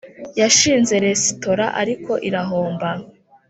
Yashinze resitora ariko irahomba